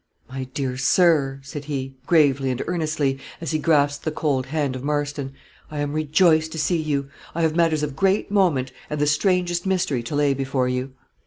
"My dear sir," said he, gravely and earnestly, as he grasped the cold hand of Marston, "I am rejoiced to see you. I have matters of great moment and the strangest mystery to lay before you."